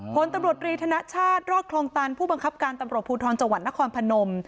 ผลตำรวจรีธนชาติรอดคลองตันผู้บังคับการตำรวจภูทรจังหวัดนครพนม